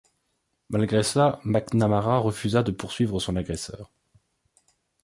Malgré cela, McNamara refusa de poursuivre son agresseur.